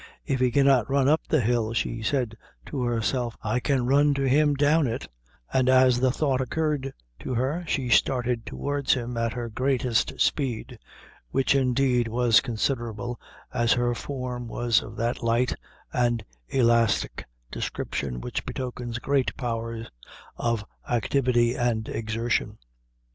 "If he cannot run up the hill," she said to herself, "I can run to him down it" and as the thought occurred to her, she started towards him at her greatest speed, which indeed was considerable, as her form was of that light and elastic description which betokens great powers of activity and exertion.